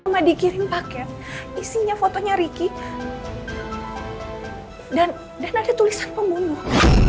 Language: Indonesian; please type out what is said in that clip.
sama dikirim paket isinya fotonya ricky dan dan ada tulisan pembunuhan